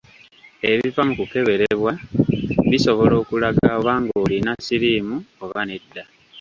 Ebiva mu kukeberebwa bisobola okulaga oba ng’olina siriimu oba nedda.